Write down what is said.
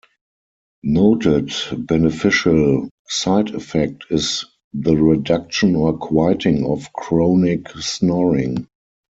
Noted beneficial side-effect is the reduction or quieting of chronic snoring.